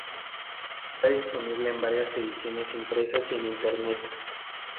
Está disponible en varias ediciones impresas y en Internet.